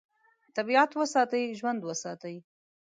طبیعت وساتئ، ژوند وساتئ.